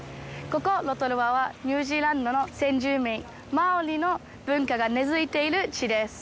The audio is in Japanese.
ここロトルアは、ニュージーランドの先住民、マオリの文化が根づいている地です。